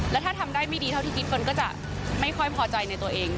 แล้วถ้าทำได้ไม่ดีเท่าที่คิดเฟิร์นก็จะไม่ค่อยพอใจในตัวเอง